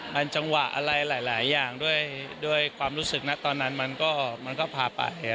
มันจังหวะอะไรหลายอย่างด้วยความรู้สึกนะตอนนั้นมันก็พาไป